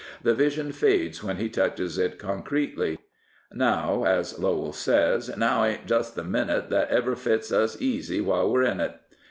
The vision fades when he touches it concretely. " Now," as Lowell says, " now ain't just the minit that ever fits us easy while we're in it."